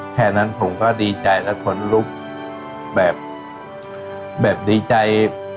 แค่นั้นผมก็ดีใจและขนลุกแบบดีใจ